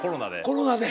コロナで。